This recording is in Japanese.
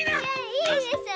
いいでしょ！